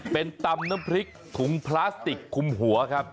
เป็นตำน้ำพริกถุงพลาสติกคุมหัวครับ